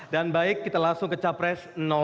dan baik kita langsung ke capres satu